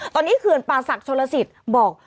ตอนนี้เคือนป่าศักดิ์โชลสิตบอก